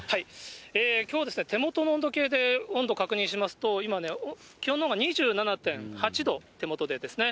きょうですね、手元の温度計で温度確認しますと、気温のほうが２７．８度、手元でですね。